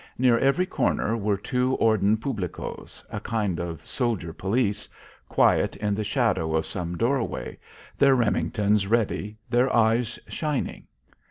Near every corner were two Orden Publicos a kind of soldier police quiet in the shadow of some doorway, their Remingtons ready, their eyes shining.